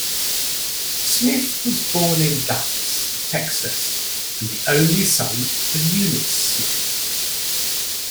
Smith was born in Dallas, Texas and the only son of Eunice Smith.